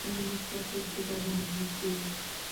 تر ازموینې وړاندې ما خپل ټول کتابونه لوستي وو.